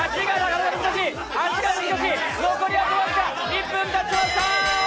１分たちました！